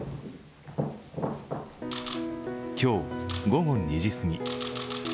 今日午後２時すぎ。